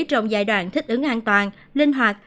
trong giai đoạn thích ứng an toàn linh hoạt